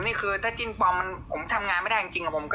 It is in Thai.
นี่คือถ้าจิ้นปลอมผมทำงานไม่ได้จริง